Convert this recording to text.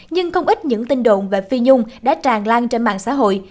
nhưng không ít những tin đồn về phi nhung đã tràn lan trên mạng xã hội